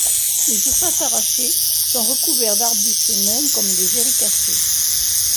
Les surfaces arrachées sont recouverts d'arbustes nains comme les Éricacées.